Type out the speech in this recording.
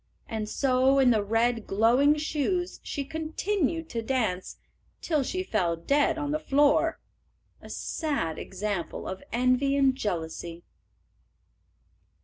And so in the red, glowing shoes she continued to dance till she fell dead on the floor, a sad example of envy and jealousy.